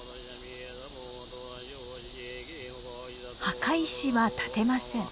墓石は建てません。